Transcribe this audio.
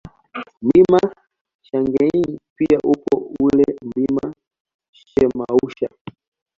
Mlima Shagein pia upo ule Mlima Shemausha